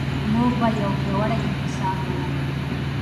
موږ به یو پیاوړی اقتصاد ولرو.